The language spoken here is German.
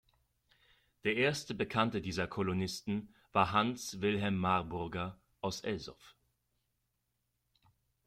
Der erste bekannte dieser Kolonisten war Hans Wilhelm Marburger aus Elsoff.